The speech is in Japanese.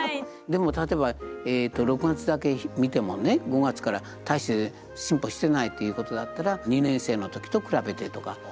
でも例えば６月だけ見てもね５月から大して進歩してないということだったら２年生の時と比べてとか。